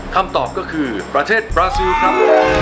คำตอบก็คือประเทศบราซิลครับ